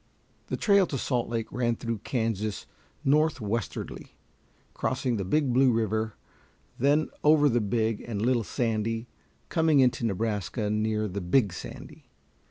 The trail to Salt Lake ran through Kansas northwestwardly, crossing the Big Blue River, then over the Big and Little Sandy, coming into Nebraska near the Big Sandy.